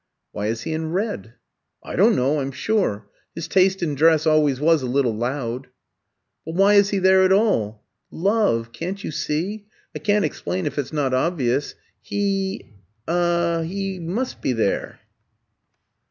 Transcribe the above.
"Why is he in red?" "I don't know, I'm sure. His taste in dress always was a little loud." "But why is he there at all?" "Love! Can't you see? I can't explain if it's not obvious. He er he must be there."